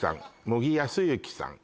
茂木康之さん